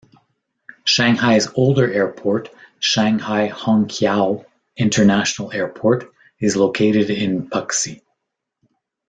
Shanghai's older airport, Shanghai Hongqiao International Airport, is located in Puxi.